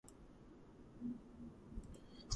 გიორგის ეკლესია იყო.